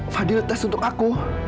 fadilitas untuk aku